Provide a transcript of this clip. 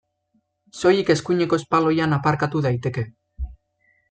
Soilik eskuineko espaloian aparkatu daiteke.